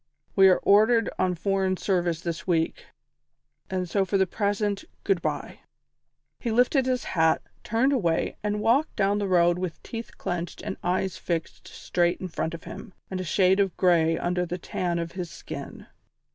We are ordered on foreign service this week, and so for the present, good bye." He lifted his hat, turned away and walked down the road with teeth clenched and eyes fixed straight in front of him, and a shade of grey under the tan of his skin.